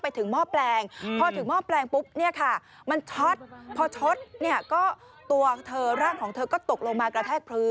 หม้อแปลงพอถึงหม้อแปลงปุ๊บเนี่ยค่ะมันช็อตพอช็อตเนี่ยก็ตัวเธอร่างของเธอก็ตกลงมากระแทกพื้น